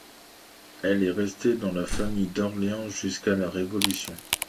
Elle est restée dans la famille d’Orléans jusqu’à la Révolution.